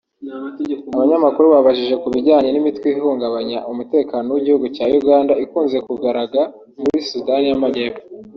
Abanyamakuru babajije ku bijyanye n’imitwe ihungabanya umutekano w’igihugu cya Uganda ikunze kugaraga muri Sudani y’Amajyepfo